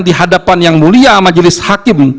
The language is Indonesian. di hadapan yang mulia majelis hakim